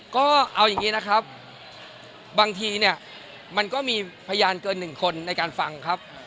ก็เอาอย่างนี้นะครับบางทีเนี่ยมันก็มีพยานเกินหนึ่งคนในการฟังครับ